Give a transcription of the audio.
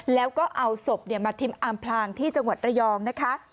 แล้วก็เอาศพมาทิ้มอำพลางที่จังหวัดระยองนะคะ